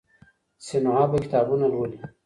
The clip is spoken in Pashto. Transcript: سینوهه به کتابونه لولي.